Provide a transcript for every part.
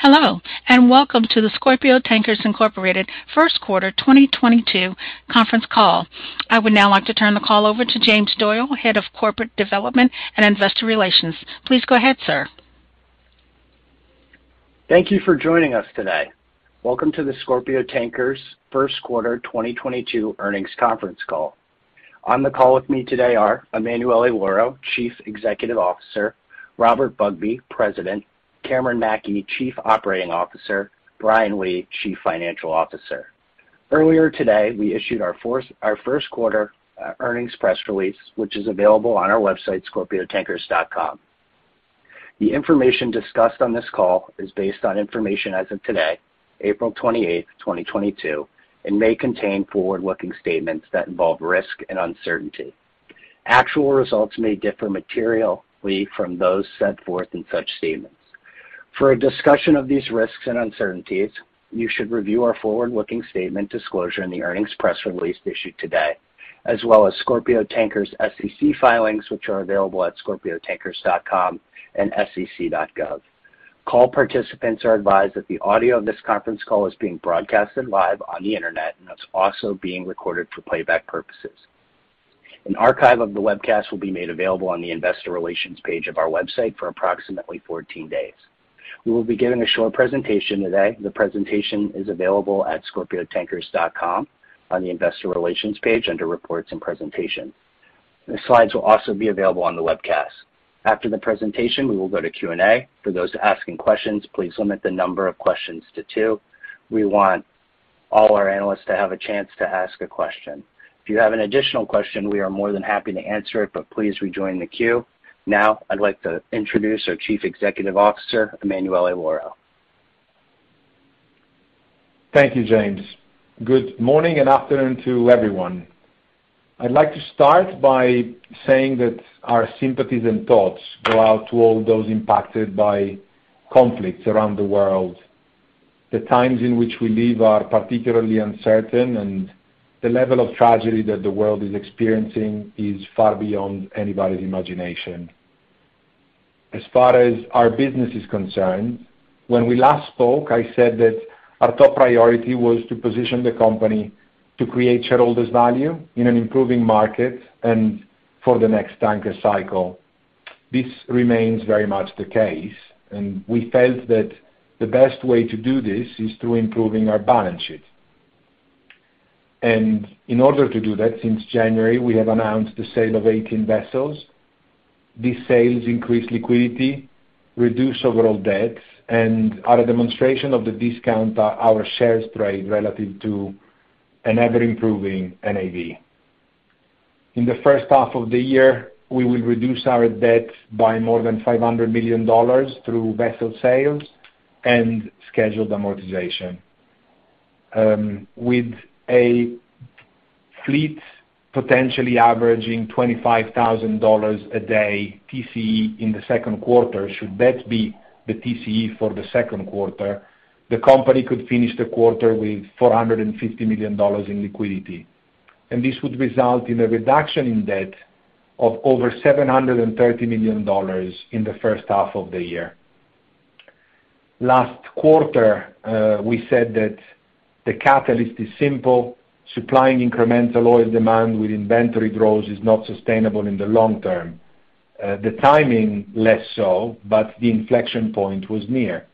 Hello, and welcome to the Scorpio Tankers Incorporated Q1 2022 Conference Call. I would now like to turn the call over to James Doyle, Head of Corporate Development and Investor Relations. Please go ahead, sir. Thank you for joining us today. Welcome to the Scorpio Tankers Q1 2022 Earnings Conference Call. On the call with me today are Emanuele Lauro, Chief Executive Officer, Robert Bugbee, President, Cameron Mackey, Chief Operating Officer, Brian Lee, Chief Financial Officer. Earlier today, we issued our Q1 Earnings Press Release, which is available on our website, scorpiotankers.com. The information discussed on this call is based on information as of today, April 28, 2022, and may contain forward-looking statements that involve risk and uncertainty. Actual results may differ materially from those set forth in such statements. For a discussion of these risks and uncertainties, you should review our forward-looking statement disclosure in the earnings press release issued today, as well as Scorpio Tankers'; and SEC filings, which are available at scorpiotankers.com and sec.gov. Call participants are advised that the audio of this conference call is being broadcasted live on the Internet, and it's also being recorded for playback purposes. An archive of the webcast will be made available on the investor relations page of our website for approximately 14 days. We will be giving a short presentation today. The presentation is available at scorpiotankers.com on the investor relations page under Reports and Presentations. The slides will also be available on the webcast. After the presentation, we will go to Q&A. For those asking questions, please limit the number of questions to two. We want all our analysts to have a chance to ask a question. If you have an additional question, we are more than happy to answer it, but please rejoin the queue. Now, I'd like to introduce our Chief Executive Officer, Emanuele Lauro. Thank you, James. Good morning and afternoon to everyone. I'd like to start by saying that our sympathies and thoughts go out to all those impacted by conflicts around the world. The times in which we live are particularly uncertain, and the level of tragedy that the world is experiencing is far beyond anybody's imagination. As far as our business is concerned, when we last spoke, I said that our top priority was to position the company to create shareholder value in an improving market and for the next tanker cycle. This remains very much the case, and we felt that the best way to do this is through improving our balance sheet. In order to do that, since January, we have announced the sale of 18 vessels. These sales increase liquidity, reduce overall debt, and are a demonstration of the discount our shares trade relative to an ever-improving NAV. In H1, we will reduce our debt by more than $500 million through vessel sales and scheduled amortization. With a fleet potentially averaging $25,000 a day TCE in Q2, should that be the TCE for Q2, the company could finish the quarter with $450 million in liquidity. This would result in a reduction in debt of over $730 million in H1. Last quarter, we said that the catalyst is simple: supplying incremental oil demand with inventory growth is not sustainable in the long term. The timing was less so, but the inflection point was near.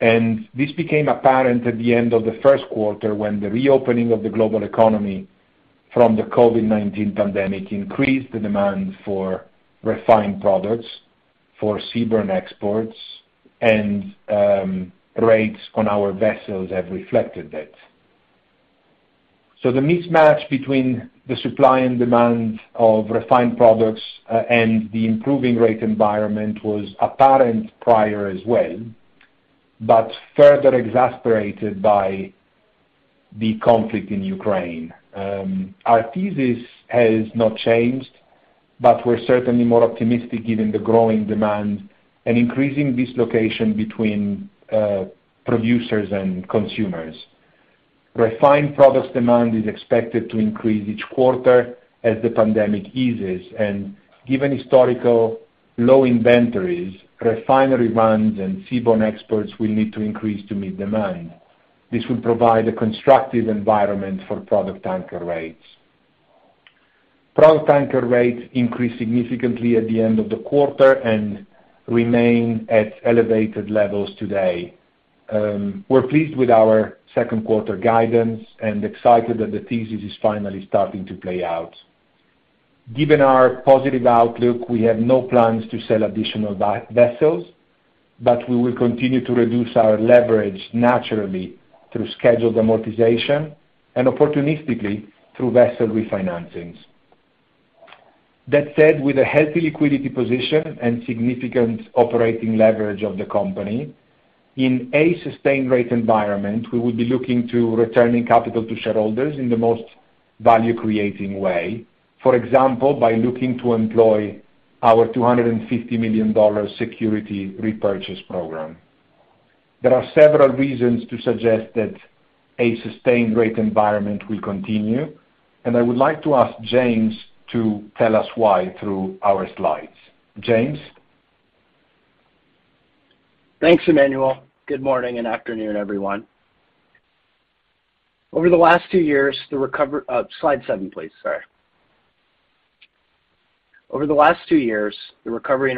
This became apparent at the end of Q1 when the reopening of the global economy from the COVID-19 pandemic increased the demand for refined products for seaborne exports, and rates on our vessels have reflected that. The mismatch between the supply and demand of refined products and the improving rate environment was apparent prior to as well, but further exacerbated by the conflict in Ukraine. Our thesis has not changed, but we're certainly more optimistic given the growing demand and increasing dislocation between producers and consumers. Refined products demand is expected to increase each quarter as the pandemic eases, and given the historical low inventories, refinery runs, and seaborne exports will need to increase to meet demand. This will provide a constructive environment for product tanker rates. Product tanker rates increased significantly at the end of the quarter and remain at elevated levels today. We're pleased with our Q2 Guidance and excited that the thesis is finally starting to play out. Given our positive outlook, we have no plans to sell additional vessels, but we will continue to reduce our leverage naturally through scheduled amortization and opportunistically through vessel refinancing. That said, with a healthy liquidity position and significant operating leverage of the company, in a sustained rate environment, we would be looking to return capital to shareholders in the most value-creating way. For example, by looking to employ our $250 million share repurchase program. There are several reasons to suggest that a sustained rate environment will continue, and I would like to ask James to tell us why through our slides. James? Thanks, Emanuele. Good morning and afternoon, everyone. Over the last two years, the recovery in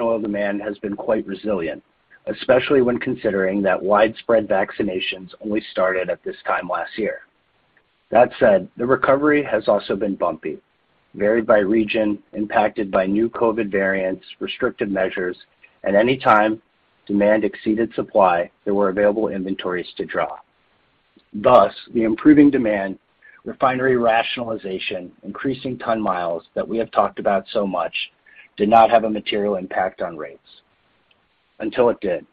oil demand has been quite resilient, especially when considering that widespread vaccinations only started at this time last year. That said, the recovery has also been bumpy, varied by region, impacted by new COVID variants, restrictive measures, and any time demand exceeded supply, there were available inventories to draw. Thus, the improving demand, refinery rationalization, and increasing ton-miles that we have talked about so much did not have a material impact on rates; until it did.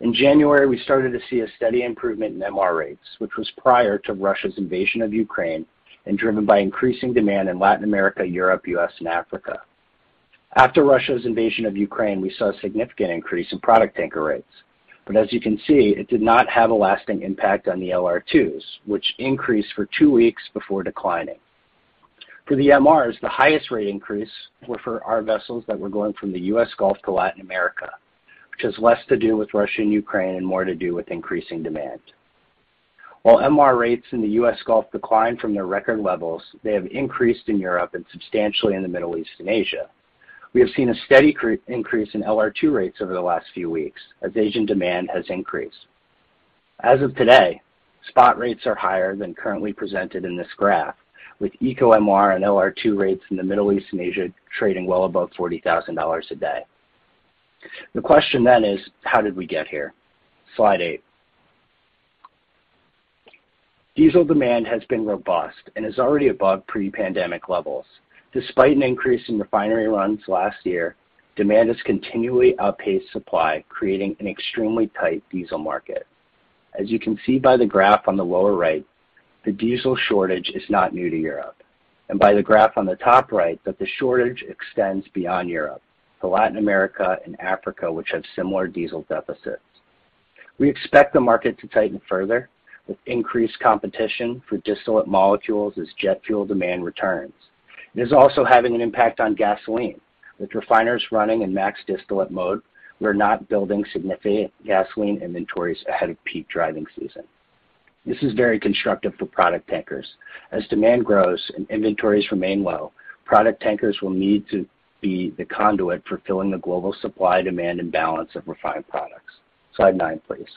In January, we started to see a steady improvement in MR rates, which was prior to Russia's invasion of Ukraine and driven by increasing demand in Latin America, Europe, the U.S., and Africa. After Russia's invasion of Ukraine, we saw a significant increase in product tanker rates. As you can see, it did not have a lasting impact on the LR2s, which increased for two weeks before declining. For the MRs, the highest rate increase wasfor our vessels that were going from the US Gulf to Latin America, which has less to do with Russia and Ukraine and more to do with increasing demand. While MR rates in the US Gulf declined from their record levels, they have increased in Europe and substantially in the Middle East and Asia. We have seen a steady increase in LR2 rates over the last few weeks as Asian demand has increased. As of today, spot rates are higher than currently presented in this graph, with ECO, MR, and LR2 rates in the Middle East and Asia trading well above $40,000 a day. The question then is, how did we get here? Slide eight. Diesel demand has been robust and is already above pre-pandemic levels. Despite an increase in refinery runs last year, demand has continually outpaced supply, creating an extremely tight diesel market. As you can see by the graph on the lower right, the diesel shortage is not new to Europe, and by the graph on the top right, the shortage extends beyond Europe to Latin America and Africa, which have similar diesel deficits. We expect the market to tighten further with increased competition for distillate molecules as jet fuel demand returns. It is also having an impact on gasoline. With refiners running in max distillate mode, we're not building significant gasoline inventories ahead of peak driving season. This is very constructive for product tankers. As demand grows and inventories remain low, product tankers will need to be the conduit for filling the global supply-demand imbalance of refined products. Slide nine, please.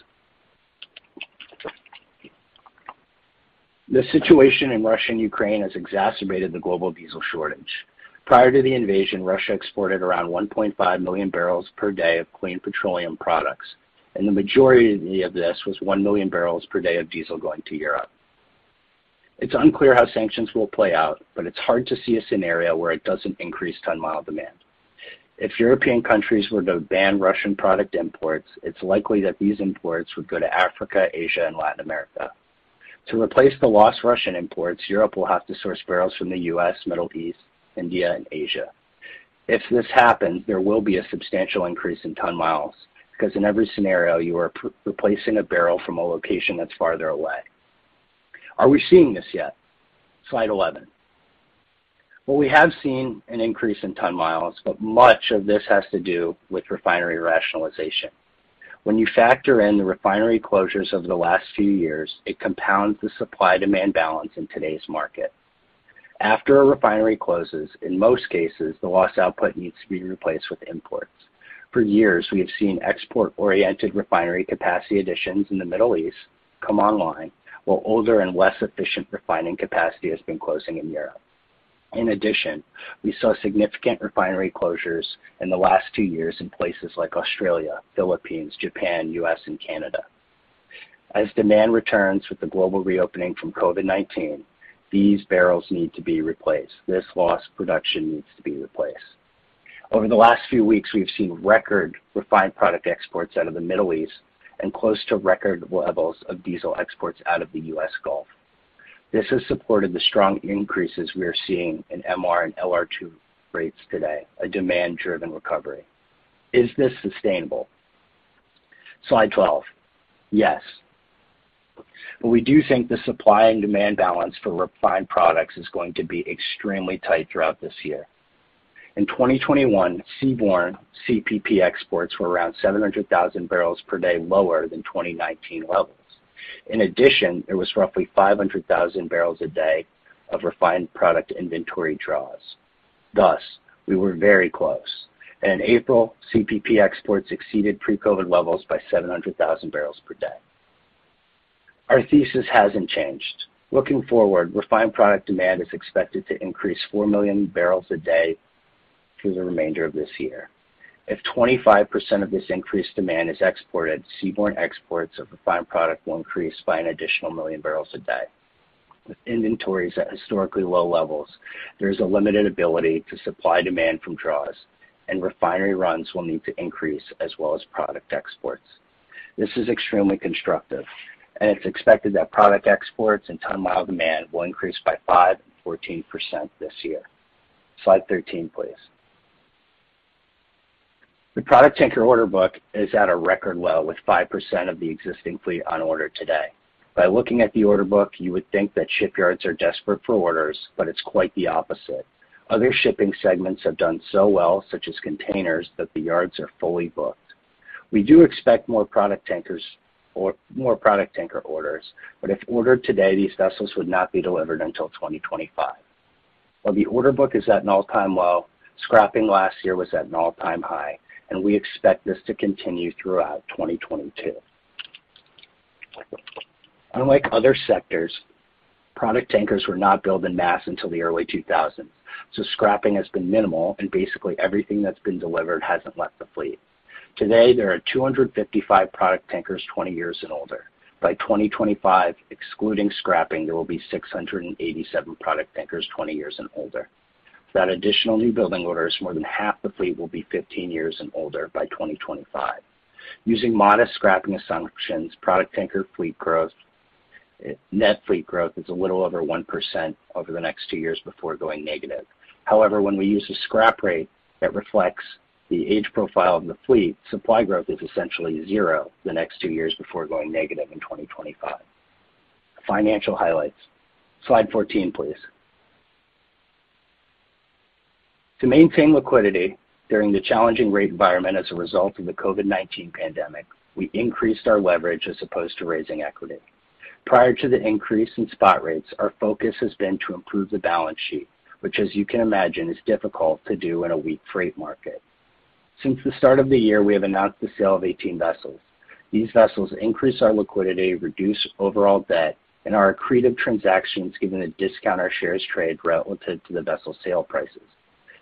The situation in Russia and Ukraine has exacerbated the global diesel shortage. Prior to the invasion, Russia exported around 1.5 million barrels per day of clean petroleum products, and the majority of this was one million barrels per day of diesel going to Europe. It's unclear how sanctions will play out, but it's hard to see a scenario where it doesn't increase ton-mile demand. If European countries were to ban Russian product imports, it's likely that these imports would go to Africa, Asia, and Latin America. To replace the lost Russian imports, Europe will have to source barrels from the US, the Middle East, India, and Asia. If this happens, there will be a substantial increase in ton-miles because in every scenario, you are replacing a barrel from a location that's farther away. Are we seeing this yet? Slide eleven. Well, we have seen an increase in ton-miles, but much of this has to do with refinery rationalization. When you factor in the refinery closures over the last few years, it compounds the supply-demand balance in today's market. After a refinery closes, in most cases, the lost output needs to be replaced with imports. For years, we have seen export-oriented refinery capacity additions in the Middle East come online, while older and less efficient refining capacity has been closing in Europe. In addition, we saw significant refinery closures in the last two years in places like Australia, the Philippines, Japan, U.S., and Canada. As demand returns with the global reopening from COVID-19, these barrels need to be replaced. This lost production needs to be replaced. Over the last few weeks, we've seen record refined product exports out of the Middle East and close to record levels of diesel exports out of the US Gulf. This has supported the strong increases we are seeing in MR and LR2 rates today, a demand-driven recovery. Is this sustainable? Slide 12. Yes, but we do think the supply and demand balance for refined products is going to be extremely tight throughout this year. In 2021, seaborne CPP exports were around 700,000 barrels per day lower than 2019 levels. In addition, there were roughly 500,000 barrels a day of refined product inventory draws. Thus, we were very close. In April, CPP exports exceeded pre-COVID levels by 700,000 barrels per day. Our thesis hasn't changed. Looking forward, refined product demand is expected to increase by four million barrels a day through the remainder of this year. If 25% of this increased demand is exported, seaborne exports of refined product will increase by an additional one million barrels a day. With inventories at historically low levels, there is a limited ability to supply demand from draws, and refinery runs will need to increase as well as product exports. This is extremely constructive, and it's expected that product exports and ton-mile demand will increase by 5% and 14% this year. Slide 13, please. The product tanker order book is at a record low, with 5% of the existing fleet on order today. By looking at the order book, you would think that shipyards are desperate for orders, but it's quite the opposite. Other shipping segments have done so well, such as containers, that the yards are fully booked. We do expect more product tankers or more product tanker orders, but if ordered today, these vessels would not be delivered until 2025. While the order book is at an all-time low, scrapping last year was at an all-time high, and we expect this to continue throughout 2022. Unlike other sectors, product tankers were not built en masse until the early 2000s, so scrapping has been minimal and basically everything that's been delivered hasn't left the fleet. Today, there are 255 product tankers 20 years and older. By 2025, excluding scrapping, there will be 687 product tankers 20 years and older. Without additional newbuilding orders, more than half the fleet will be 15 years and older by 2025. Using modest scrapping assumptions, product tanker fleet growth, net fleet growth is a little over 1% over the next two years before going negative. However, when we use a scrap rate that reflects the age profile of the fleet, supply growth is essentially zero the next two years before going negative in 2025. Financial highlights. Slide 14, please. To maintain liquidity during the challenging rate environment as a result of the COVID-19 pandemic, we increased our leverage as opposed to raising equity. Prior to the increase in spot rates, our focus has been to improve the balance sheet, which as you can imagine, is difficult to do in a weak freight market. Since the start of the year, we have announced the sale of 18 vessels. These vessels increase our liquidity, reduce overall debt and are accretive transactions given the discount our shares trade relative to the vessel sale prices.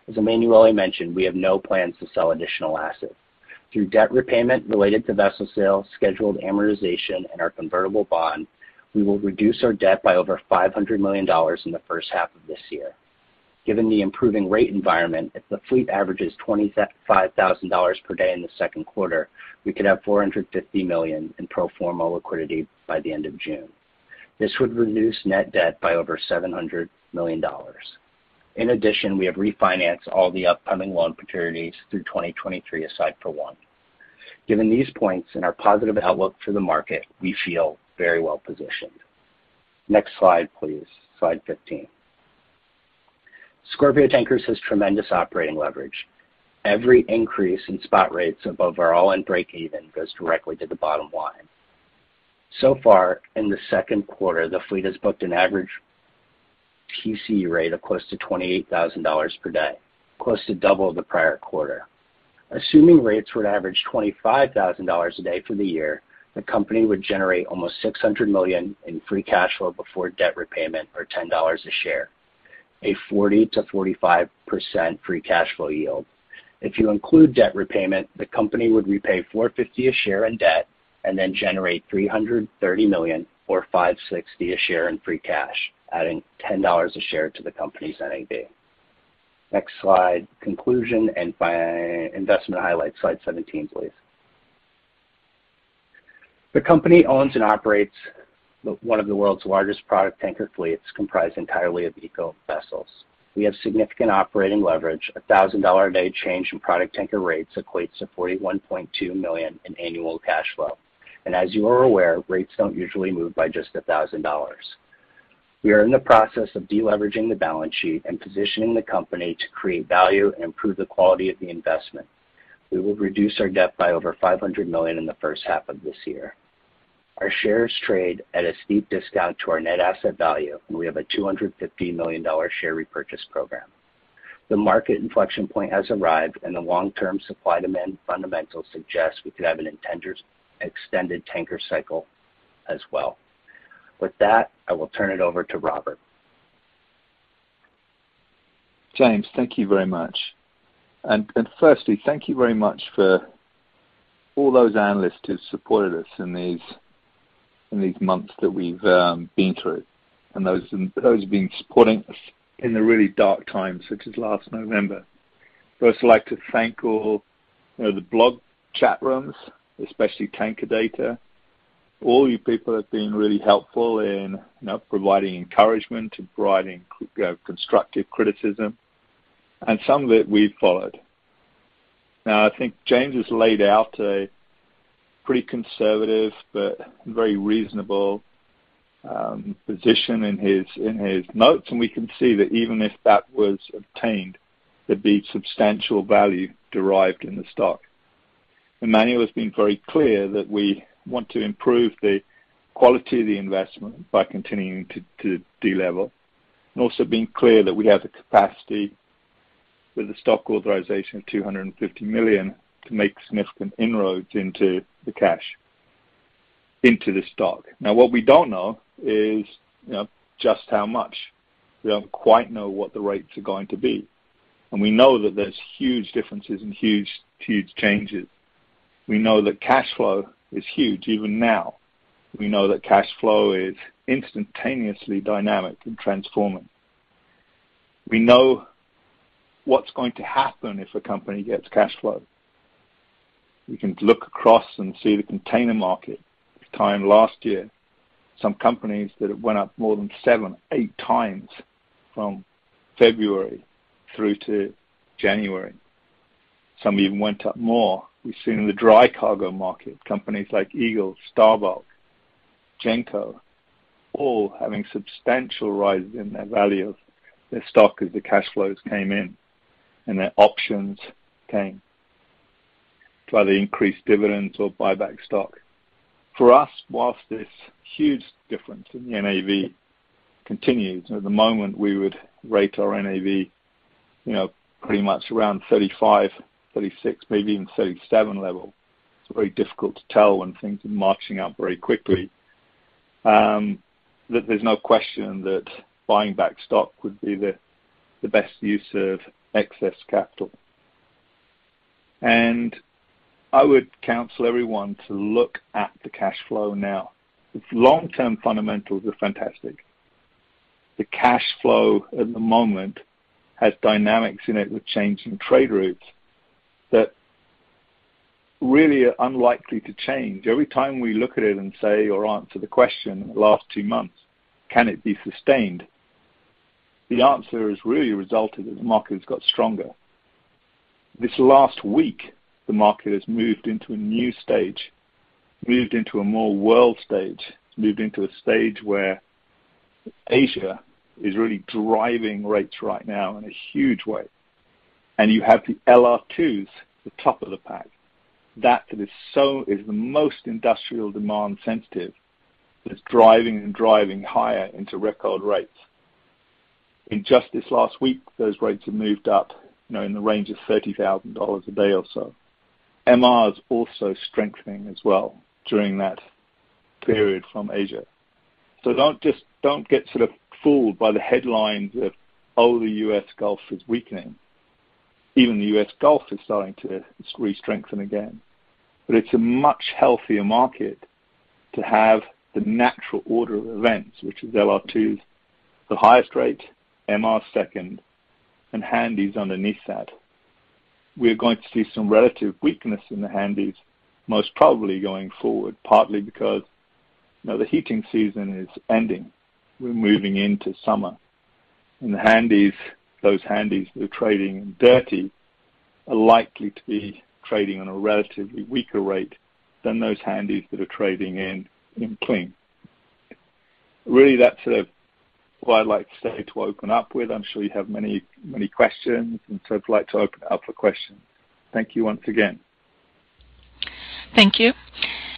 As Emanuele mentioned, we have no plans to sell additional assets. Through debt repayment related to vessel sales, scheduled amortization, and our convertible bond, we will reduce our debt by over $500 million in the first half of this year. Given the improving rate environment, if the fleet averages $25,000 per day in Q2, we could have $450 million in pro forma liquidity by the end of June. This would reduce net debt by over $700 million. In addition, we have refinanced all the upcoming loan maturities through 2023, aside from one. Given these points and our positive outlook for the market, we feel very well-positioned. Next slide, please. Slide 15. Scorpio Tankers has tremendous operating leverage. Every increase in spot rates above our all-in breakeven goes directly to the bottom line. So far in Q2, the fleet has booked an average TCE rate of close to $28,000 per day, close to double the prior quarter. Assuming rates would average $25,000 a day for the year, the company would generate almost $600 million in free cash flow before debt repayment, or $10 a share, a 40%-45% free cash flow yield. If you include debt repayment, the company would repay $4.50 a share in debt and then generate $330 million or $5.60 a share in free cash, adding $10 a share to the company's NAV. Next slide, conclusion and investment highlights, slide 17, please. The company owns and operates one of the world's largest product tanker fleets comprised entirely of eco vessels. We have significant operating leverage. A $1,000 a day change in product tanker rates equates to $41.2 million in annual cash flow. As you are aware, rates don't usually move by just a thousand dollars. We are in the process of de-leveraging the balance sheet and positioning the company to create value and improve the quality of the investment. We will reduce our debt by over $500 million in the first half of this year. Our shares trade at a steep discount to our net asset value, and we have a $250 million share repurchase program. The market inflection point has arrived and the long-term supply-demand fundamentals suggest we could have an extended tanker cycle as well. With that, I will turn it over to Robert. James, thank you very much. Firstly, thank you very much to all those analysts who supported us in these months that we've been through and those who've been supporting us in the really dark times, such as last November. First, I'd like to thank all, you know, the blog chat rooms, especially TankerData. All you people have been really helpful in, you know, providing encouragement and providing constructive criticism, and some of it we've followed. Now, I think James has laid out a pretty conservative but very reasonable position in his notes, and we can see that even if that were obtained, there'd be substantial value derived in the stock. Emanuele has been very clear that we want to improve the quality of the investment by continuing to deleverage, and also being clear that we have the capacity with the stock authorization of $250 million to make significant inroads into the cash into the stock. Now, what we don't know is, you know, just how much. We don't quite know what the rates are going to be. We know that there are huge differences and huge changes. We know that cash flow is huge even now. We know that cash flow is instantaneously dynamic and transforming. We know what's going to happen if a company gets cash flow. We can look across and see the container market time last year, some companies that went up more than seven to eight times from February through to January. Some even went up more. We've seen in the dry cargo market, companies like Eagle, Star Bulk, and Genco, all having substantial rises in the value of their stock as the cash flows came in and their options came to either increase dividends or buy back stock. For us, while this huge difference in the NAV continues, at the moment, we would rate our NAV, you know, pretty much around 35, 36, maybe even 37 level. It's very difficult to tell when things are marching up very quickly. There's no question that buying back stock would be the best use of excess capital. I would counsel everyone to look at the cash flow now. Its long-term fundamentals are fantastic. The cash flow at the moment has dynamics in it with changing trade routes that are unlikely to change. Every time we look at it and say or answer the question, last two months, can it be sustained? The answer has really resulted as the market has got stronger. This last week, the market has moved into a new stage, moved into a more world stage, moved into a stage where Asia is really driving rates right now in a huge way. You have the LR2s, the top of the pack. That is the most industrial demand sensitive, that's driving and driving higher into record rates. In just this last week, those rates have moved up, you know, in the range of $30,000 a day or so. MR is also strengthening as well during that period from Asia. Don't just, don't get sort of fooled by the headlines that, oh, the US Gulf is weakening. Even the U.S. Gulf is starting to re-strengthen again. It's a much healthier market to have the natural order of events, which is LR2s, the highest rate, MR second, and Handys underneath that. We're going to see some relative weakness in the Handys, most probably going forward, partly because, you know, the heating season is ending. We're moving into summer. The Handys, those Handys that are trading dirty are likely to be trading on a relatively weaker rate than those Handys that are trading in clean. Really, that's what I'd like to say to open up with. I'm sure you have many, many questions, and so I'd like to open up for questions. Thank you once again. Thank you.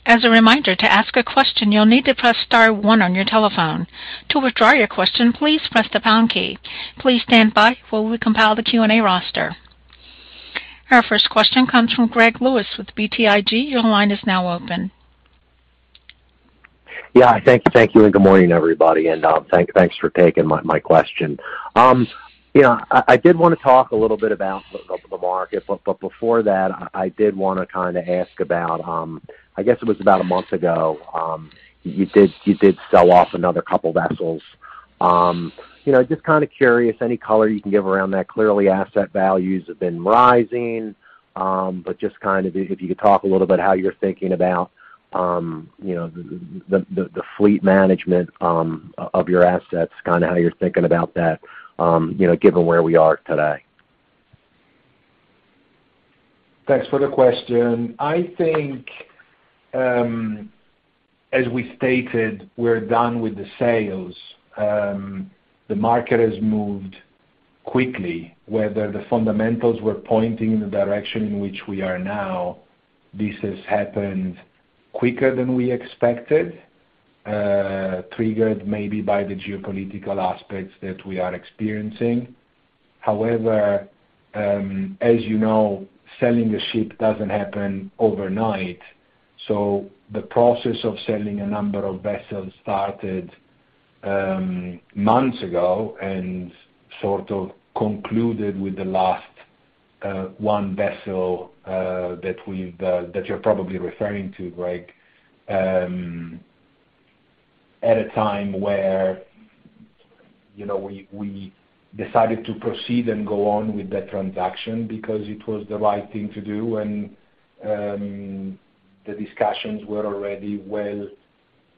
As a reminder, to ask a question, you'll need to press star one on your telephone. To withdraw your question, please press the pound key. Please stand by while we compile the Q&A roster. Our first question comes from Greg Lewis with BTIG. Your line is now open. Yeah. Thank you. Thank you, and good morning, everybody, and thanks for taking my question. You know, I did wanna talk a little bit about the market, but before that, I did wanna kinda ask about, I guess it was about a month ago, you did sell off another couple vessels. You know, just kinda curious, any color you can give around that. Clearly, asset values have been rising, but just kind of if you could talk a little about how you're thinking about, you know, the fleet management of your assets, kinda how you're thinking about that, you know, given where we are today. Thanks for the question. I think, as we stated, we're done with the sales. The market has moved quickly, whether the fundamentals were pointing in the direction in which we are now, this has happened quicker than we expected, triggered maybe by the geopolitical aspects that we are experiencing. However, as you know, selling a ship doesn't happen overnight. The process of selling a number of vessels started months ago and sort of concluded with the last one vessel that you're probably referring to, Greg, at a time where, you know, we decided to proceed and go on with that transaction because it was the right thing to do, and the discussions were already well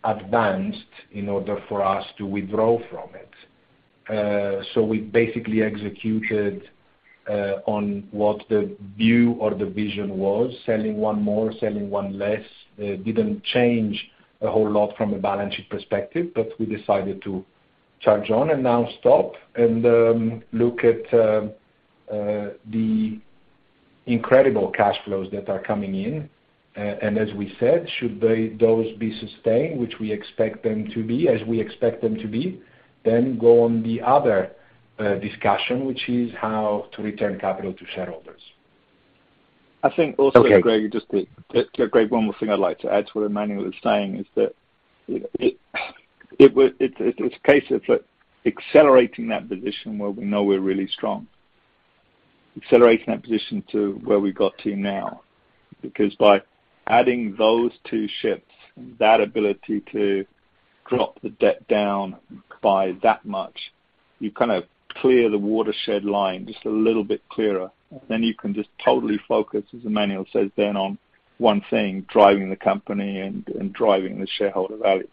advanced in order for us to withdraw from it. We basically executed on what the view or the vision was, selling one more, selling one less, didn't change a whole lot from a balance sheet perspective, but we decided to carry on and now stop and look at the incredible cash flows that are coming in. As we said, should they be sustained, which we expect them to be, then go on to the other discussion, which is how to return capital to shareholders. I think also, Greg. Okay. Just Greg, one more thing I'd like to add to what Emanuele is saying is that it's a case of accelerating that position where we know we're really strong. Accelerating that position to where we got to now. By adding those two ships and that ability to drop the debt down by that much. You kind of clear the watershed line just a little bit clearer. You can just totally focus, as Emanuele says, on one thing, driving the company and driving the shareholder value.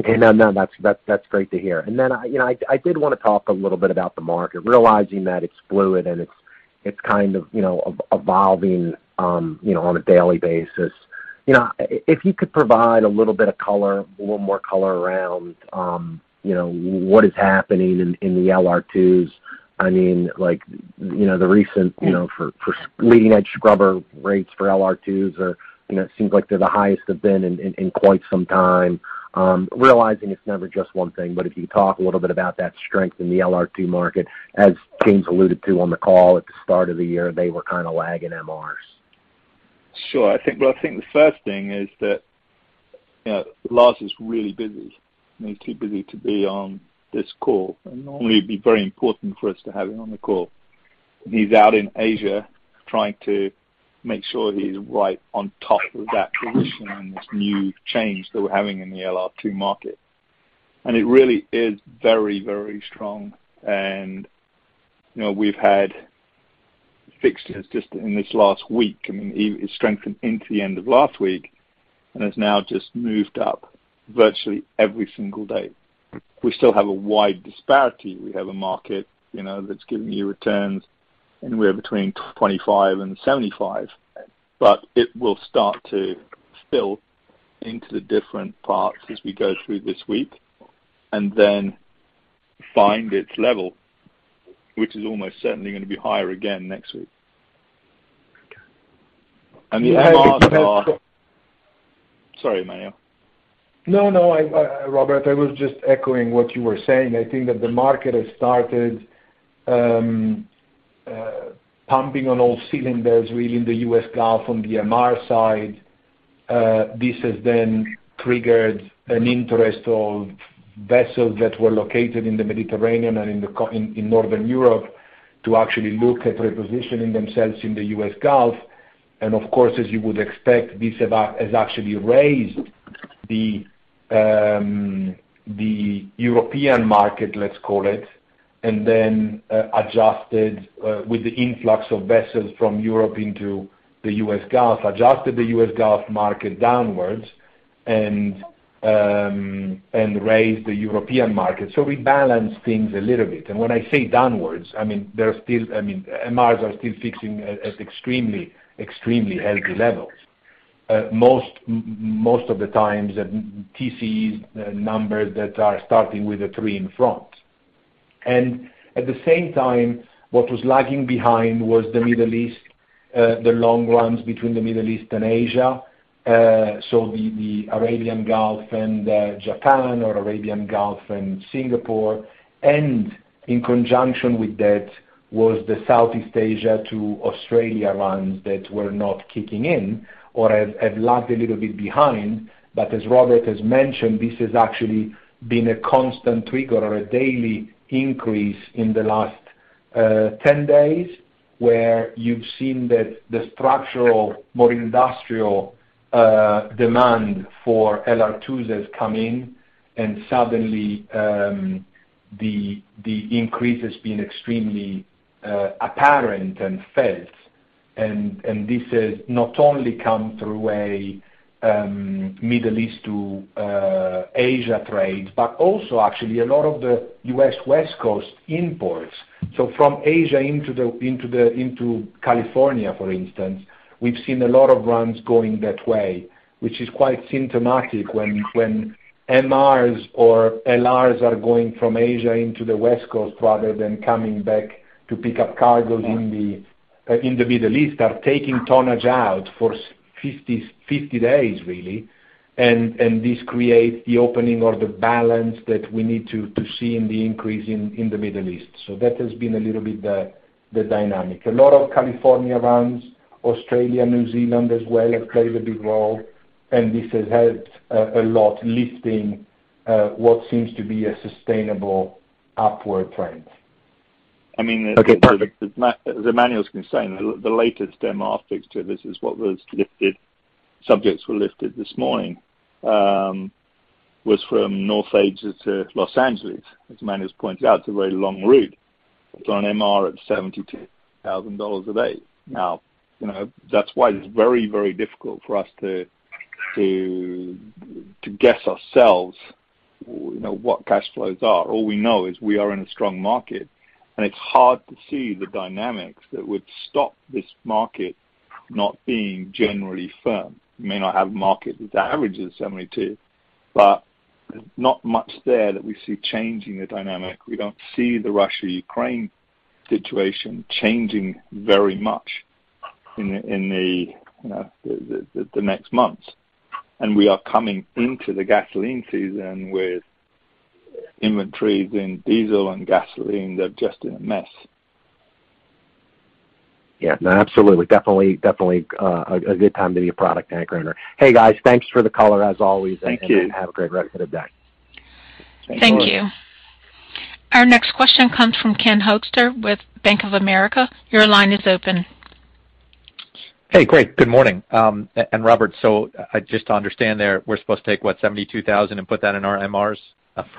Okay. No, that's great to hear. You know, I did want to talk a little bit about the market, realizing that it's fluid and it's kind of, you know, evolving on a daily basis. You know, if you could provide a little bit of color, a little more color around, you know, what is happening in the LR2s. I mean, like, you know, the recent forward leading edge scrubber rates for LR2s are, you know, it seems like they're the highest they've been in quite some time. Realizing it's never just one thing, but if you talk a little bit about that strength in the LR2 market, as James alluded to on the call at the start of the year, they were kinda lagging MRs. Sure. Well, I think the first thing is that, you know, Lars is really busy, and he's too busy to be on this call. Normally, it'd be very important for us to have him on the call. He's out in Asia trying to make sure he's right on top of that position and this new change that we're having in the LR2 market. It really is very, very strong. You know, we've had fixes just in this last week. I mean, it strengthened into the end of last week, and has now just moved up virtually every single day. We still have a wide disparity. We have a market, you know, that's giving you returns anywhere between 25 and 75. It will start to spill into the different parts as we go through this week and then find its level, which is almost certainly gonna be higher again next week. The MRs. Sorry, Emanuele. No, no. Robert, I was just echoing what you were saying. I think that the market has started pumping on all cylinders, really, in the US Gulf on the MR side. This has then triggered an interest in vessels that were located in the Mediterranean and in Northern Europe to actually look at repositioning themselves in the US Gulf. Of course, as you would expect, this has actually raised the European market, let's call it, and then adjusted with the influx of vessels from Europe into the US Gulf, adjusted the US Gulf market downwards, and raised the European market. We balance things a little bit. When I say downwards, I mean, there are still, I mean, MRs are still fixing at extremely healthy levels. Most of the time, TCEs numbers that are starting with a three in front. At the same time, what was lagging behind was the Middle East, the long runs between the Middle East and Asia. The Arabian Gulf and Japan or Arabian Gulf and Singapore. In conjunction with that were the Southeast Asia to Australia runs that were not kicking in or have lagged a little bit behind. As Robert has mentioned, this has actually been a constant trigger or a daily increase in the last 10 days, where you've seen that the structural, more industrial demand for LR2s has come in and suddenly the increase has been extremely apparent and felt. This has not only come through a Middle East to Asia trade, but also actually a lot of the US West Coast imports. From Asia into California, for instance, we've seen a lot of runs going that way, which is quite symptomatic when MRs or LRs are going from Asia into the West Coast rather than coming back to pick up cargo in the Middle East, taking tonnage out for 50 days really. This creates the opening or the balance that we need to see in the increase in the Middle East. That has been a little bit the dynamic. A lot of California runs, Australia, New Zealand as well, have played a big role, and this has helped a lot lifting what seems to be a sustainable upward trend. I mean. Okay. As Emanuele's been saying, the latest MR fix to this is what was lifted, subjects were lifted this morning, which was from North Asia to Los Angeles. As Emanuele pointed out, it's a very long route. It's on MR at $72,000 a day. Now, you know, that's why it's very, very difficult for us to guess ourselves, you know, what cash flows are. All we know is we are in a strong market, and it's hard to see the dynamics that would stop this market from being generally firm. You may not have market averages of 72, but there's not much there that we see changing the dynamic. We don't see the Russia-Ukraine situation changing very much in the next few months. We are coming into the gasoline season with inventories in diesel and gasoline. They're just in a mess. Yeah. No, absolutely. Definitely a good time to be a product tanker owner. Hey, guys, thanks for the call there as always. Thank you. Have a great rest of the day. Thank you. Our next question comes from Ken Hoexter with Bank of America. Your line is open. Hey, great. Good morning. Robert, I just want to understand there, we're supposed to take what $72,000 and put that in our MRs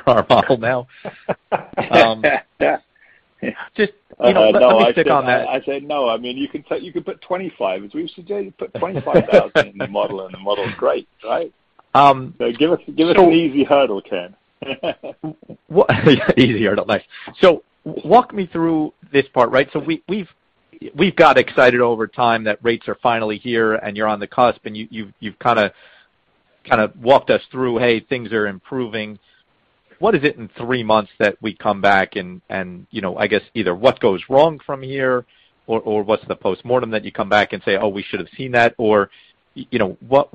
for our model now? Just, you know- No. I said. Let me stick on that. I said no. I mean, you can take. You can put 25. As we suggested, put 25,000 in the model and the model is great, right? Um, so- Give us an easy hurdle, Ken. Easy hurdle. Nice. Walk me through this part, right? We've got excited over time that rates are finally here, and you're on the cusp, and you've kinda walked us through, hey, things are improving. What is it in three months that we come back and you know, I guess either what goes wrong from here or what's the postmortem that you come back and say, "Oh, we should have seen that?" You know, what,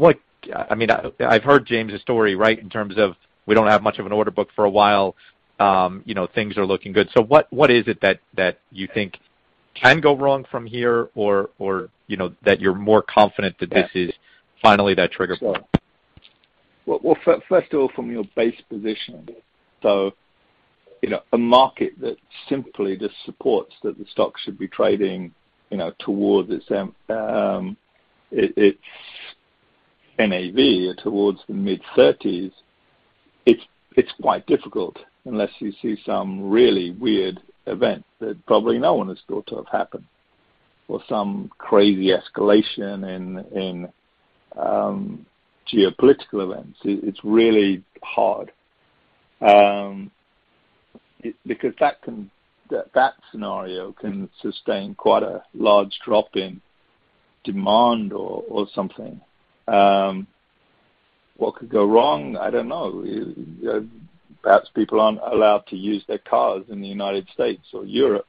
I mean, I've heard James's story, right? In terms of we don't have much of an order book for a while, you know, things are looking good. What is it that you think can go wrong from here? You know, that you're more confident that this is finally that trigger point. First of all, from your base position. You know, a market that simply just supports that the stock should be trading, you know, toward its NAV toward the mid-30s. It's quite difficult unless you see some really weird event that probably no one has thought to have happened or some crazy escalation in geopolitical events. It's really hard because that scenario can sustain quite a large drop in demand or something. What could go wrong? I don't know. Perhaps people aren't allowed to use their cars in the United States or Europe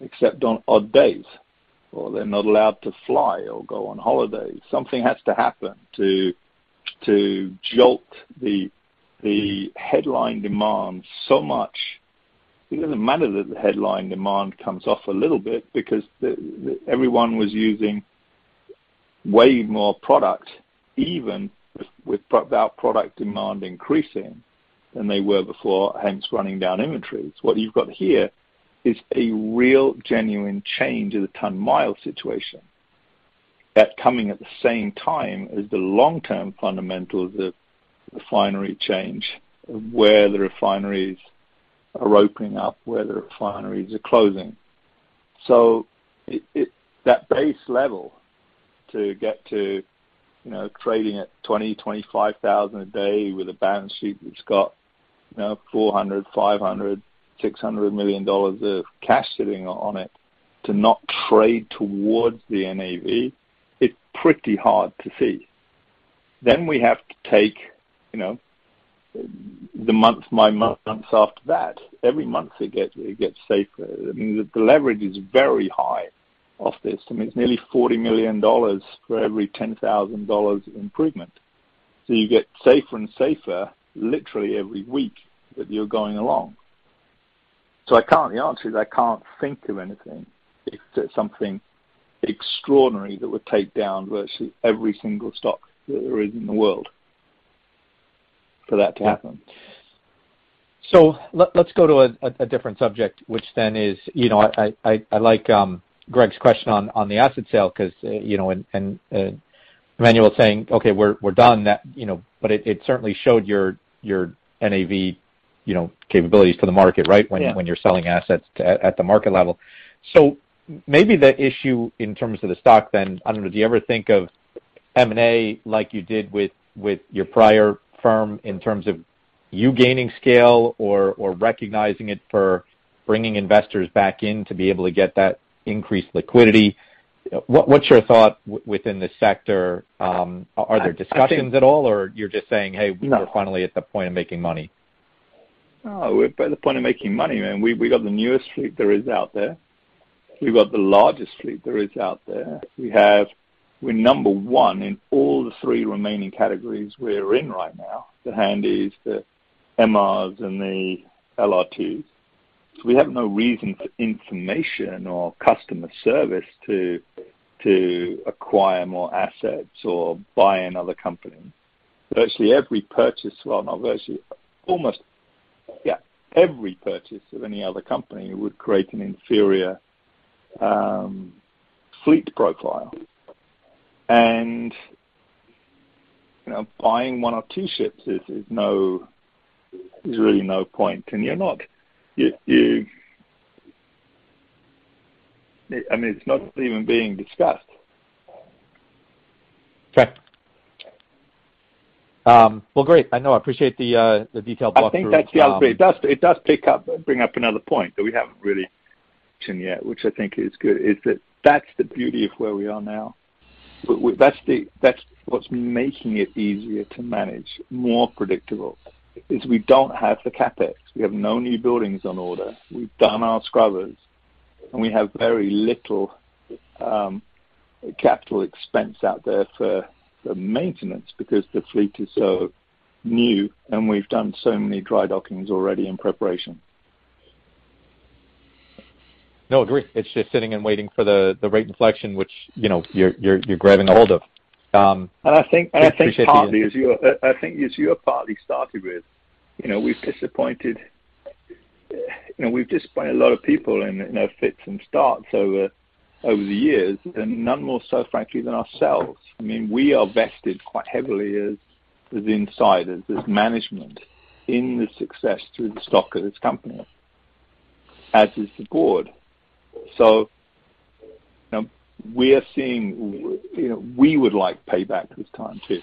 except on odd days or they're not allowed to fly or go on holiday. Something has to happen to jolt the headline demand so much. It doesn't matter that the headline demand comes off a little bit because everyone was using way more product, even with our product demand increasing than they were before, hence running down inventories. What you've got here is a real genuine change in the ton-mile situation. That coming at the same time as the long-term fundamentals of refinery change, where the refineries are opening up, where the refineries are closing. That base level to get to, you know, trading at 20-25 thousand a day with a balance sheet that's got, you know, $400-$600 million of cash sitting on it to not trade towards the NAV, it's pretty hard to see. We have to take, you know, my months after that. Every month it gets safer. I mean, the leverage is very high off this. I mean, it's nearly $40 million for every $10,000 improvement. You get safer and safer literally every week that you're going along. The answer is I can't think of anything except something extraordinary that would take down virtually every single stock that there is in the world for that to happen. Let's go to a different subject, which then is, you know, I like Greg's question on the asset sale because, you know, Emanuele saying, "Okay, we're done." That, you know, it certainly showed your NAV, you know, capabilities to the market, right? Yeah. When you're selling assets at the market level. Maybe the issue in terms of the stock then, I don't know, do you ever think of M&A like you did with your prior firm in terms of you gaining scale or recognizing it for bringing investors back in to be able to get that increased liquidity? What's your thought within the sector? Are there discussions at all? I think. you're just saying, "Hey, we were finally at the point of making money. No. We're at the point of making money, man. We got the newest fleet there is out there. We've got the largest fleet there is out there. We're number one in all the three remaining categories we're in right now. The Handys, the MRs, and the LR2s. We have no reason for information or customer service to acquire more assets or buy another company. Every purchase of any other company would create an inferior fleet profile. Buying one or two ships. There's really no point. It's not even being discussed. Okay. Well, great. I know. I appreciate the detailed walkthrough. I think that's the other thing. It does bring up another point that we haven't really mentioned yet, which I think is good, is that that's the beauty of where we are now. That's what's making it easier to manage, more predictable, is we don't have the CapEx. We have no new buildings on order. We've done our scrubbers, and we have very little capital expense out there for the maintenance because the fleet is so new and we've done so many dry dockings already in preparation. No, agree. It's just sitting and waiting for the rate inflection, which, you know, you're grabbing a hold of. I think as you partly started with, you know, we've disappointed a lot of people in, you know, fits and starts over the years, and none more so frankly than ourselves. I mean, we are vested quite heavily as insiders, as management in the success through the stock of this company, as is the board. We are seeing you know, we would like payback this time, too.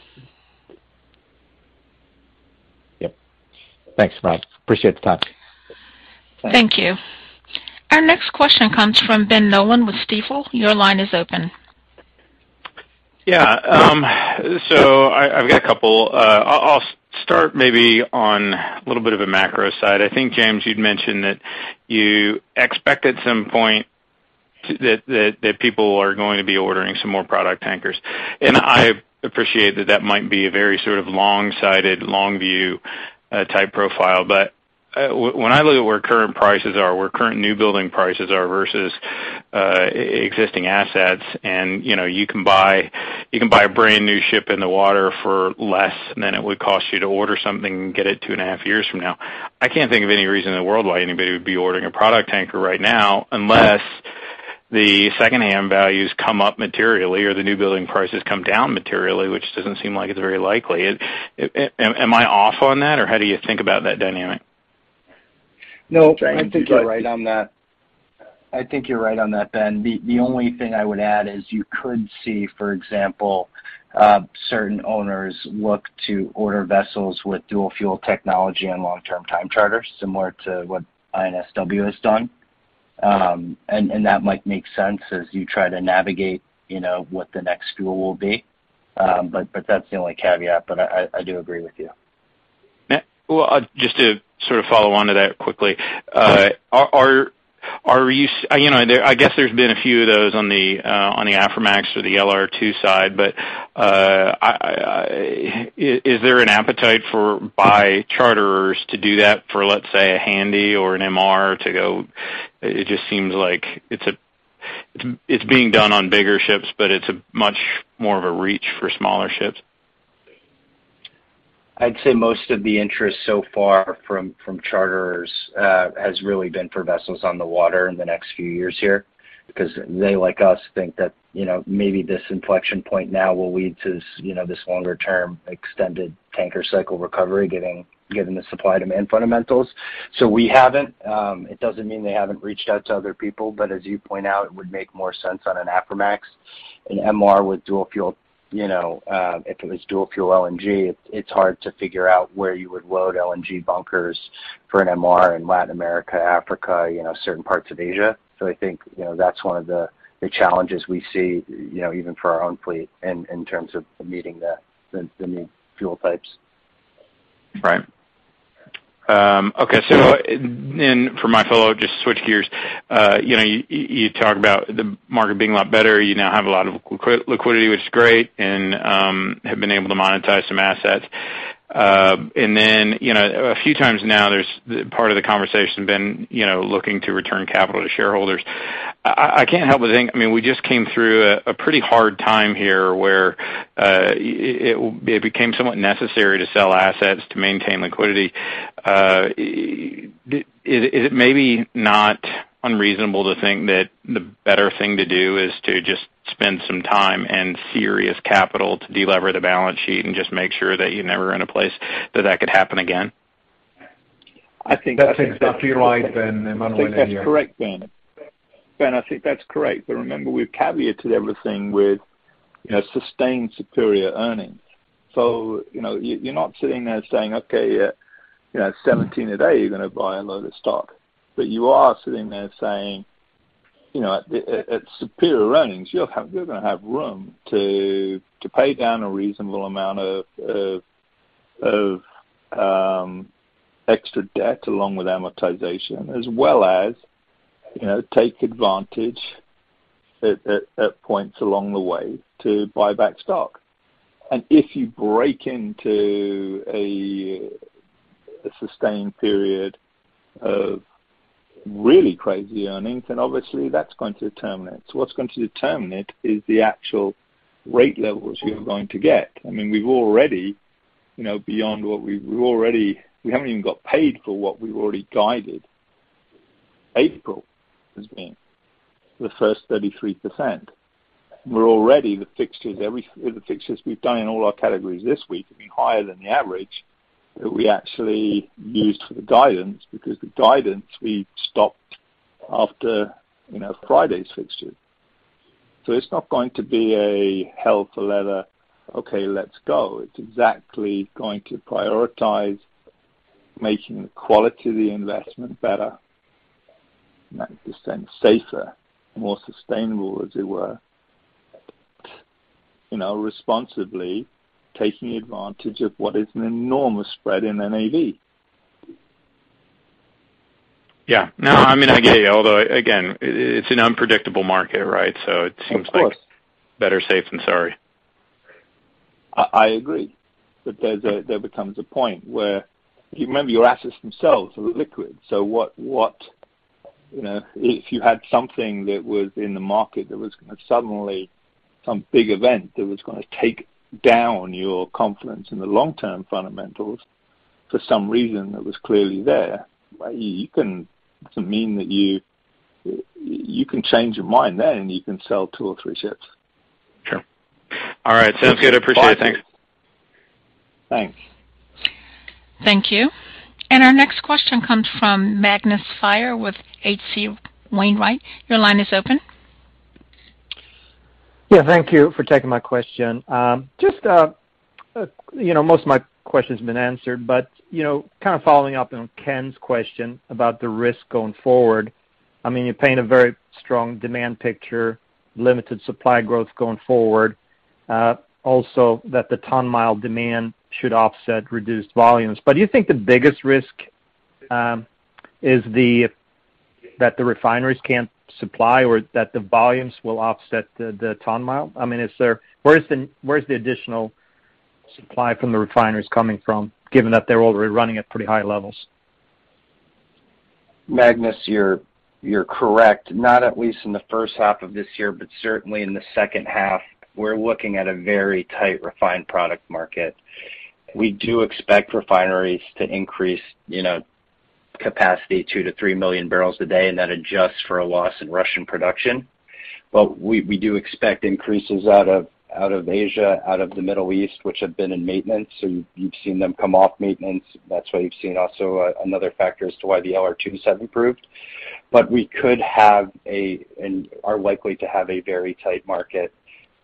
Yep. Thanks, Rob. Appreciate the time. Thank you. Our next question comes from Ben Nolan with Stifel. Your line is open. Yeah. I've got a couple. I'll start maybe on a little bit of a macro side. I think, James, you'd mentioned that you expect at some point that people are going to be ordering some more product tankers. I appreciate that that might be a very sort of long-sighted, long view type profile. When I look at where current prices are, where current new building prices are versus existing assets, you know, you can buy a brand-new ship in the water for less than it would cost you to order something and get it two and a half years from now. I can't think of any reason in the world why anybody would be ordering a product tanker right now unless the secondhand values come up materially or the new building prices come down materially, which doesn't seem like it's very likely. Am I off on that, or how do you think about that dynamic? No, I think you're right on that. I think you're right on that, Ben. The only thing I would add is you could see, for example, certain owners look to order vessels with dual-fuel technology and long-term time charters, similar to what INSW has done. That might make sense as you try to navigate, you know, what the next fuel will be. That's the only caveat, but I do agree with you. Well, just to sort of follow on to that quickly. Sure. Are you seeing, you know, I guess there's been a few of those on the Aframax or the LR2 side, but. Is there an appetite from charterers to do that for, let's say, a Handy or an MR to go? It just seems like it's being done on bigger ships, but it's much more of a reach for smaller ships. I'd say most of the interest so far from charterers has really been for vessels on the water in the next few years here because they, like us, think that, you know, maybe this inflection point now will lead to this, you know, this longer term extended tanker cycle recovery given the supply-demand fundamentals. We haven't. It doesn't mean they haven't reached out to other people, but as you point out, it would make more sense on an Aframax. An MR with dual fuel, you know, if it was dual fuel LNG, it's hard to figure out where you would load LNG bunkers for an MR in Latin America, Africa, you know, certain parts of Asia. I think, you know, that's one of the challenges we see, you know, even for our own fleet in terms of meeting the new fuel types. Right. Okay. For my follow-up, just switch gears. You know, you talk about the market being a lot better. You now have a lot of liquidity, which is great, and have been able to monetize some assets. You know, a few times now, there's been part of the conversation, you know, looking to return capital to shareholders. I can't help but think, I mean, we just came through a pretty hard time here where it became somewhat necessary to sell assets to maintain liquidity. Is it maybe not unreasonable to think that the better thing to do is to just spend some time and serious capital to deliver the balance sheet and just make sure that you're never in a place that could happen again? I think that's exactly right, Ben. Ben, I think that's correct. Remember, we've caveated everything with, you know, sustained superior earnings. You know, you're not sitting there saying, "Okay, you know, at $17 a day, you're gonna buy a load of stock." You are sitting there saying, you know, at superior earnings, you'll have—you're gonna have room to pay down a reasonable amount of extra debt along with amortization, as well as, you know, take advantage at points along the way to buy back stock. If you break into a sustained period of really crazy earnings, then obviously that's going to determine it. What's going to determine it is the actual rate levels you're going to get. I mean, we've already, you know, beyond what we've. We're already. We haven't even got paid for what we've already guided. April has been the first 33%. We're already the fixtures we've done in all our categories this week have been higher than the average that we actually used for the guidance because the guidance we stopped after, you know, Friday's fixture. It's not going to be a hell for leather, okay, let's go. It's exactly going to prioritize making the quality of the investment better, 90% safer, more sustainable, as it were, you know, responsibly taking advantage of what is an enormous spread in NAV. Yeah. No, I mean, I get you. Although, again, it's an unpredictable market, right? It seems like- Of course. Better safe than sorry. I agree that there becomes a point where, if you remember, your assets themselves are liquid. You know, if you had something that was in the market that was gonna suddenly some big event that was gonna take down your confidence in the long-term fundamentals for some reason that was clearly there, you can. Doesn't mean that you can't change your mind then, and you can sell two or three ships. Sure. All right. Sounds good. I appreciate it. Bye. Thanks. Thanks. Thank you. Our next question comes from Magnus Fyhr with H.C. Wainwright & Co. Your line is open. Yeah. Thank you for taking my question. Just, you know, most of my question's been answered, but, you know, kind of following up on Ken's question about the risk going forward. I mean, you're painting a very strong demand picture, limited supply growth going forward, also that the ton-mile demand should offset reduced volumes. Do you think the biggest risk is that the refineries can't supply or that the volumes will offset the ton-mile? I mean, where's the additional supply from the refineries coming from, given that they're already running at pretty high levels? Magnus, you're correct, not at least in H1, but certainly in H2, we're looking at a very tight refined product market. We do expect refineries to increase, you know, capacity two to three million barrels a day, and that adjusts for a loss in Russian production. We do expect increases out of Asia, out of the Middle East, which have been in maintenance. You've seen them come off maintenance. That's why you've seen also another factor as to why the LR2s have improved. We could have a, and are likely to have a very tight market.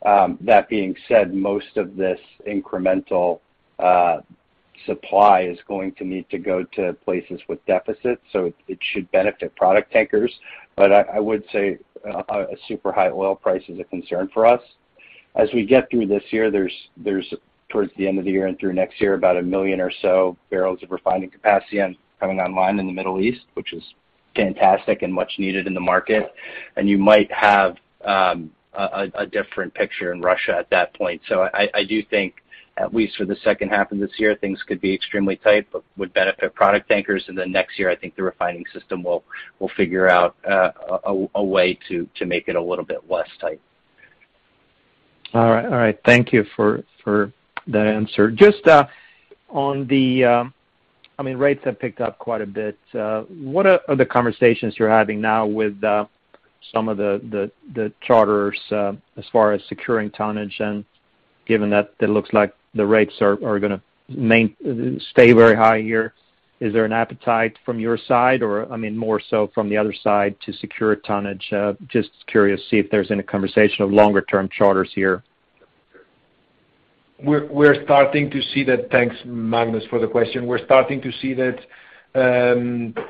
That being said, most of this incremental supply is going to need to go to places with deficits, so it should benefit product tankers. I would say a super high oil price is a concern for us. As we get through this year, there's towards the end of the year and through next year, about one million or so barrels of refining capacity coming online in the Middle East, which is fantastic and much needed in the market. You might have a different picture in Russia at that point. I do think at least for H2, things could be extremely tight but would benefit product tankers. Then next year, I think the refining system will figure out a way to make it a little bit less tight. All right. Thank you for that answer. Just on the, I mean, rates have picked up quite a bit. What are the conversations you're having now with some of the charters as far as securing tonnage and given that it looks like the rates are gonna stay very high here? Is there an appetite from your side or, I mean, more so from the other side to secure tonnage? Just curious to see if there's any conversation of longer term charters here. We're starting to see that. Thanks, Magnus, for the question. We're starting to see that,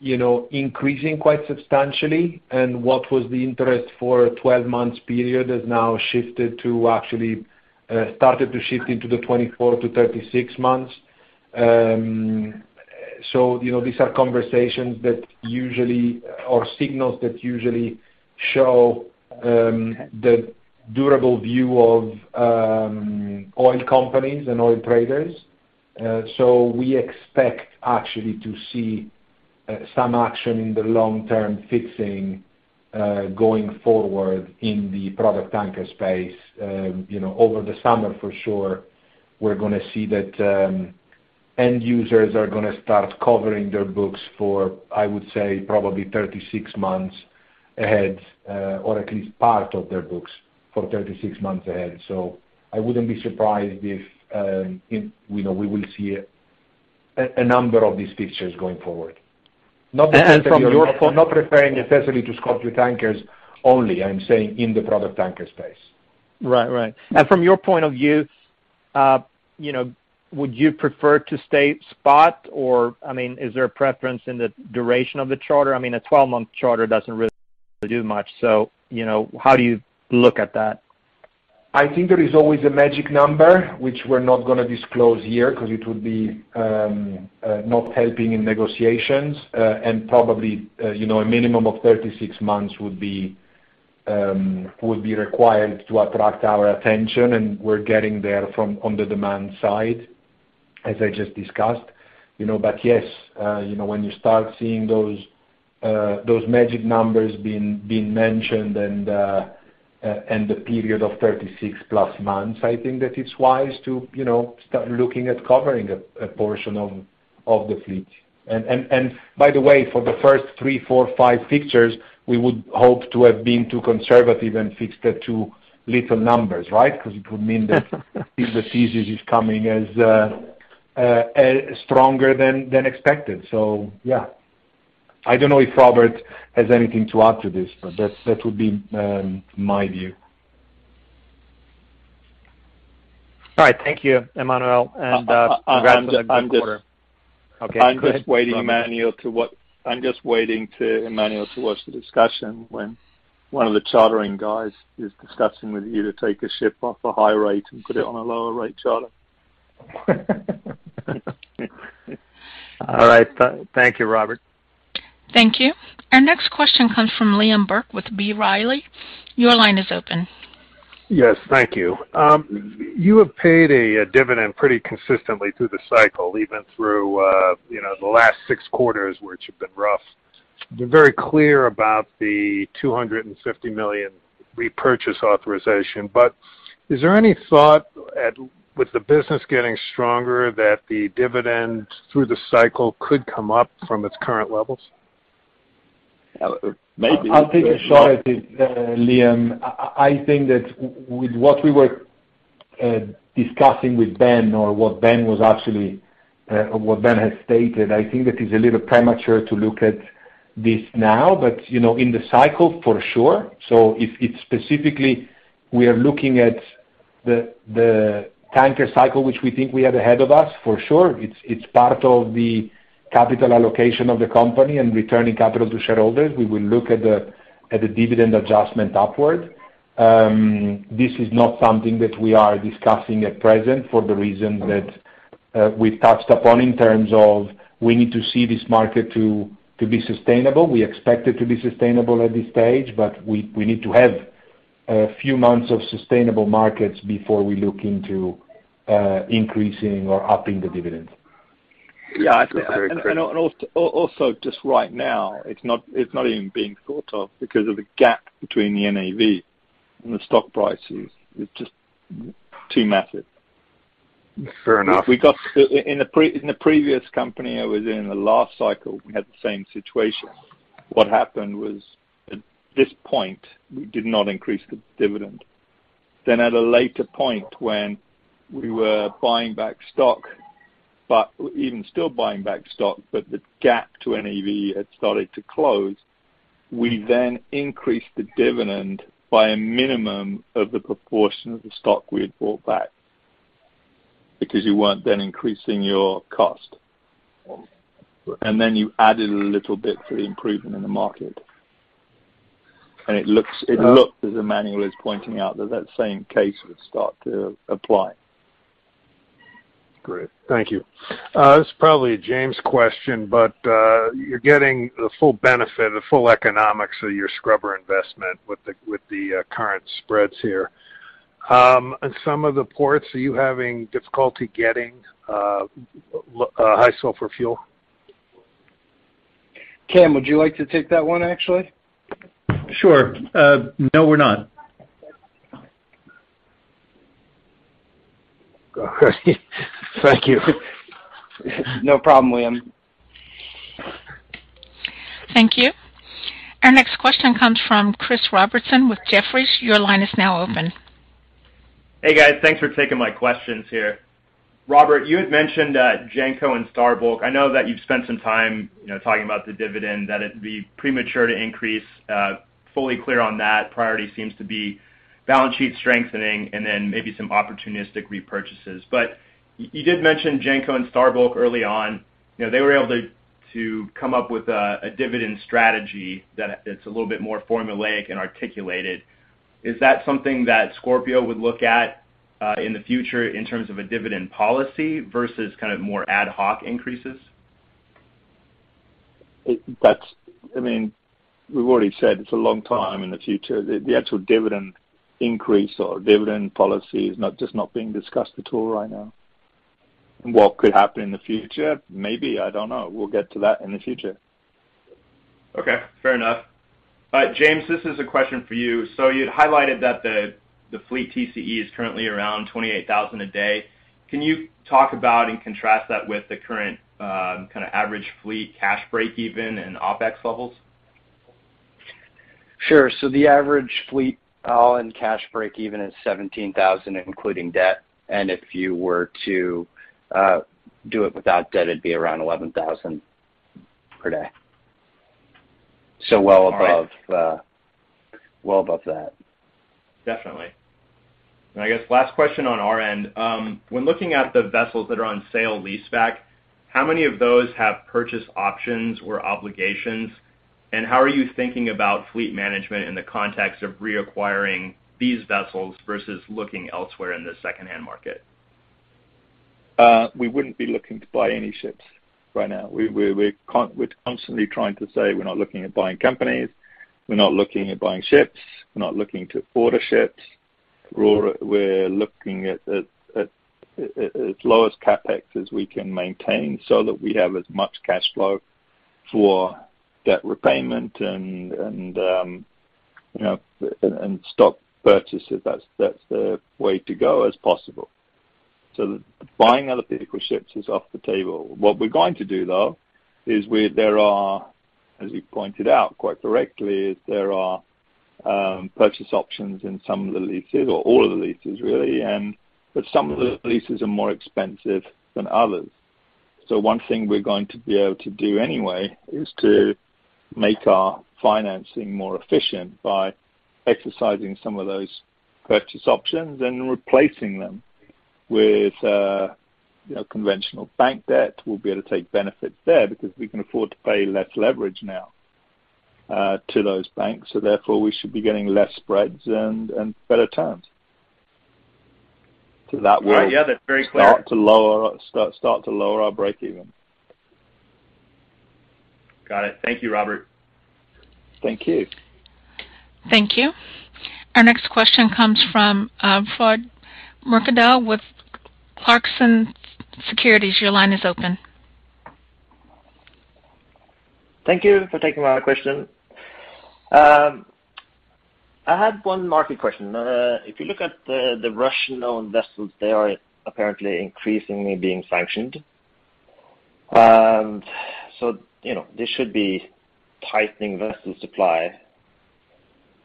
you know, increasing quite substantially and what was the interest for 12 months period has now shifted to actually, started to shift into the 24- to 36 months. So, you know, these are conversations that usually or signals that usually show, the durable view of, oil companies and oil traders. So we expect actually to see, some action in the long term fixing, going forward in the product tanker space. You know, over the summer, for sure, we're gonna see that, end users are gonna start covering their books for, I would say, probably 36 months ahead, or at least part of their books for 36 months ahead. I wouldn't be surprised if, you know, we will see a number of these fixtures going forward. From your point. I'm not referring necessarily to spotting your tankers only. I'm saying in the product tanker space. Right. From your point of view, you know, would you prefer to stay at the spot or, I mean, is there a preference in the duration of the charter? I mean, a 12-month charter doesn't really do much. You know, how do you look at that? I think there is always a magic number which we're not gonna disclose here because it would not help in negotiations. Probably, you know, a minimum of 36 months would be required to attract our attention, and we're getting there from on demand side, as I just discussed. You know, yes, you know, when you start seeing those magic numbers being mentioned and the period of 36+ months, I think that it's wise to, you know, start looking at covering a portion of the fleet. By the way, for the first three, four, five fixtures, we would hope to have been too conservative and fixed at few numbers, right? Because it would mean that the season is coming as strongly than expected. Yeah. I don't know if Robert has anything to add to this, but that would be my view. All right. Thank you, Emanuele. I'm just- Congrats on the good quarter. Okay. Go ahead, Robert. I'm just waiting to Emanuele to watch the discussion when one of the chartering guys is discussing with you to take a ship off a high rate and put it on a lower rate charter. All right. Thank you, Robert. Thank you. Our next question comes from Liam Burke with B. Riley. Your line is open. Yes. Thank you. You have paid a dividend pretty consistently through the cycle, even through, you know, the last six quarters, which have been rough. You're very clear about the $250 million repurchase authorization. Is there any thought at, with the business getting stronger, that the dividend through the cycle could come up from its current levels? Maybe. I'll take a shot at it, Liam. I think that with what we were discussing with Ben or what Ben has stated, I think that is a little premature to look at this now. You know, in the cycle, for sure. If it's specifically we are looking at the tanker cycle, which we think we have ahead of us, for sure, it's part of the capital allocation of the company and returning capital to shareholders. We will look at the dividend adjustment upward. This is not something that we are discussing at present for the reason that we've touched upon in terms of we need to see this market to be sustainable. We expect it to be sustainable at this stage, but we need to have a few months of sustainable markets before we look into increasing or upping the dividends. Yeah. That's very clear. Also just right now, it's not even being thought of because of the gap between the NAV and the stock prices. It's just too massive. Fair enough. In the previous company I was in, the last cycle, we had the same situation. What happened was, at this point, we did not increase the dividend. At a later point when we were buying back stock, but even still buying back stock, but the gap to NAV had started to close, we then increased the dividend by a minimum of the proportion of the stock we had bought back because you weren't then increasing your cost. Then you added a little bit for the improvement in the market. It looks- Uh- It looks, as Emanuele is pointing out, that same case would start to apply. Great. Thank you. This is probably a James question, but you're getting the full benefit, the full economics of your scrubber investment with the current spreads here. In some of the ports, are you having difficulty getting high sulfur fuel? Cam, would you like to take that one actually? Sure. No, we're not. Great. Thank you. No problem, William. Thank you. Our next question comes from Chris Robertson with Jefferies. Your line is now open. Hey, guys. Thanks for taking my questions here. Robert, you had mentioned Genco and Star Bulk. I know that you've spent some time, you know, talking about the dividend, that it'd be premature to increase. I'm fully clear on that. Priority seems to be balance sheet strengthening and then maybe some opportunistic repurchases. You did mention Genco and Star Bulk early on. You know, they were able to come up with a dividend strategy that's a little bit more formulaic and articulated. Is that something that Scorpio would look at in the future in terms of a dividend policy versus kind of more ad hoc increases? That's. I mean, we've already said it's a long time in the future. The actual dividend increase or dividend policy is not being discussed at all right now. What could happen in the future? Maybe, I don't know. We'll get to that in the future. Okay, fair enough. James, this is a question for you. You had highlighted that the fleet TCE is currently around 28,000 a day. Can you talk about and contrast that with the current, kinda average fleet cash break even and OpEx levels? Sure. The average fleet all-in cash breakeven is $17,000, including debt. If you were to do it without debt, it'd be around $11,000 per day. Well above- All right. Well above that. Definitely. I guess last question on our end. When looking at the vessels that are on sale leaseback, how many of those have purchase options or obligations? How are you thinking about fleet management in the context of reacquiring these vessels versus looking elsewhere in the secondhand market? We wouldn't be looking to buy any ships right now. We're constantly trying to say we're not looking at buying companies, we're not looking at buying ships, we're not looking to order ships. We're looking at as low as CapEx as we can maintain so that we have as much cash flow for debt repayment and, you know, and stock purchases. That's the way to go as possible. Buying other people's ships is off the table. What we're going to do, though, is there are, as you pointed out quite correctly, purchase options in some of the leases or all of the leases, really. But some of the leases are more expensive than others. One thing we're going to be able to do anyway is to make our financing more efficient by exercising some of those purchase options and replacing them with you know conventional bank debt. We'll be able to take benefits there because we can afford to pay less leverage now to those banks, so therefore we should be getting less spreads and better terms. Yeah, that's very clear. Start to lower our break-even. Got it. Thank you, Robert. Thank you. Thank you. Our next question comes from, Frode Morkedal with Clarksons Securities. Your line is open. Thank you for taking my question. I had one market question. If you look at the Russian-owned vessels, they are apparently increasingly being sanctioned. You know, this should be tightening vessel supply.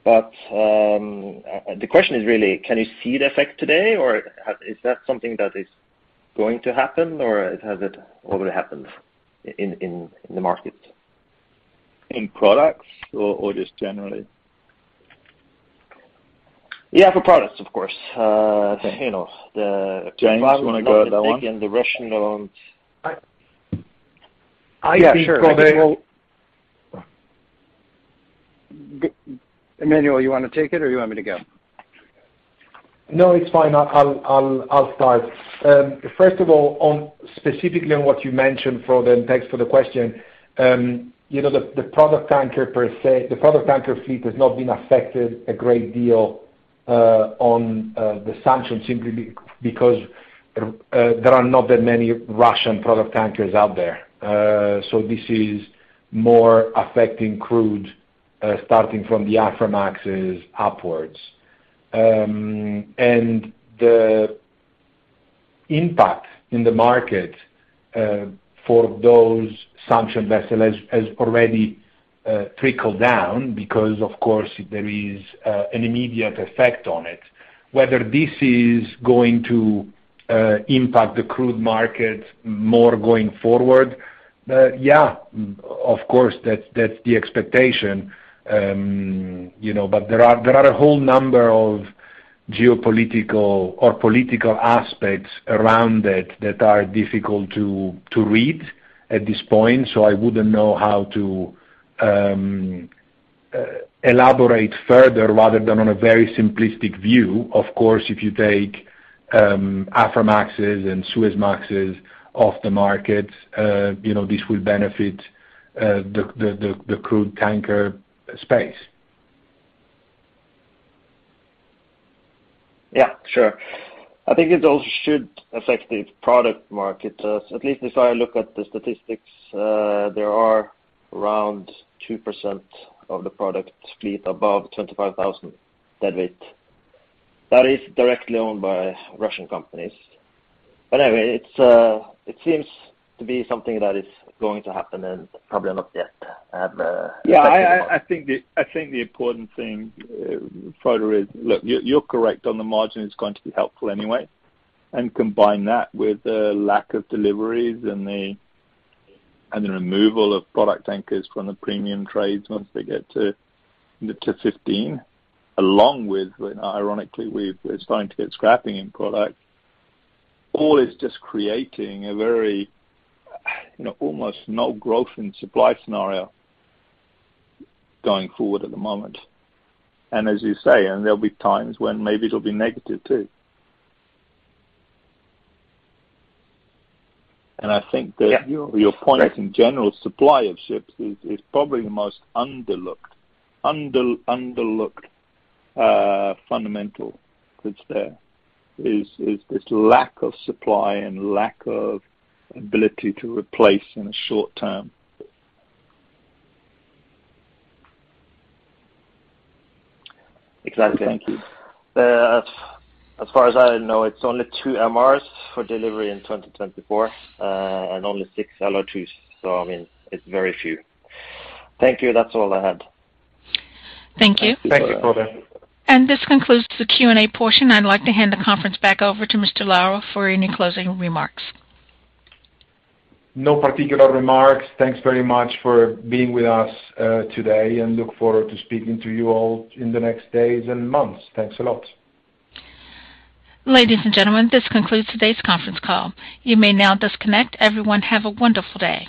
The question is really, can you see the effect today, or is that something that is going to happen, or has it already happened in the market? In products or just generally? Yeah, for products, of course. You know, the James, you wanna go on that one? The Russian-owned. Yeah, sure. Emanuele, you wanna take it or you want me to go? No, it's fine. I'll start. First of all, specifically on what you mentioned, Frode, and thanks for the question. You know, the product tanker fleet per se has not been affected a great deal on the sanctions simply because there are not that many Russian product tankers out there. So this is more affecting crude starting from the Aframaxes upwards. The impact in the market for those sanctioned vessels has already trickled down because, of course, there is an immediate effect on it. Whether this is going to impact the crude market more going forward, yeah, of course, that's the expectation. You know, there are a whole number of geopolitical or political aspects around it that are difficult to read at this point. I wouldn't know how to elaborate further rather than on a very simplistic view. Of course, if you take Aframaxes and Suezmaxes off the market, you know, this will benefit the crude tanker space. Yeah, sure. I think it also should affect the product market. At least if I look at the statistics, there are around 2% of the product fleet above 25,000 deadweight. That is directly owned by Russian companies. Anyway, it seems to be something that is going to happen and probably not yet have. Yeah, I think the important thing, Frode, is, look, you're correct on the margin is going to be helpful anyway. Combine that with the lack of deliveries and the removal of product tankers from the premium trades once they get to the 15, along with, ironically, we're starting to get scrapping in product. All this is just creating a very, you know, almost no growth in supply scenario going forward at the moment. As you say, there'll be times when maybe it'll be negative too. I think that- Yeah. Your point in general, supply of ships is probably the most underlooked fundamental that's there, is lack of supply and lack of ability to replace in a short term. Exactly. Thank you. As far as I know, it's only two MRs for delivery in 2024, and only six LR2s. I mean, it's very few. Thank you. That's all I had. Thank you. Thank you, Frode. This concludes the Q&A portion. I'd like to hand the conference back over to Mr. Lauro for any closing remarks. No particular remarks. Thanks very much for being with us, today, and look forward to speaking to you all in the next days and months. Thanks a lot. Ladies and gentlemen, this concludes today's conference call. You may now disconnect. Everyone, have a wonderful day.